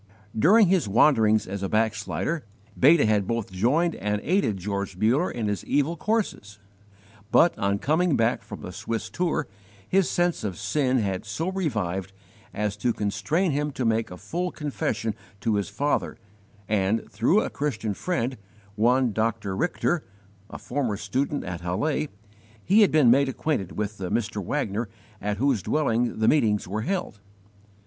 During his wanderings as a backslider, Beta had both joined and aided George Muller in his evil courses, but, on coming back from the Swiss tour, his sense of sin had so revived as to constrain him to make a full confession to his father; and, through a Christian friend, one Dr. Richter, a former student at Halle, he had been made acquainted with the Mr. Wagner at whose dwelling the meetings were held.